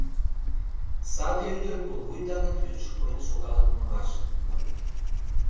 — Саде ӱдыр пулвуй даҥыт вӱдыш пурен шогалын улмаш, маныт.